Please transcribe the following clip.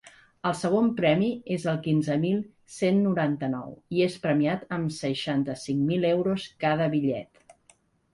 El segon premi és el quinze mil cent noranta-nou, i és premiat amb seixanta-cinc mil euros cada bitllet.